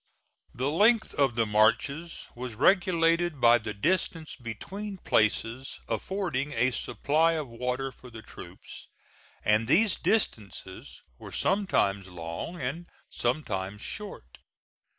The length of the marches was regulated by the distances between places affording a supply of water for the troops, and these distances were sometimes long and sometimes short.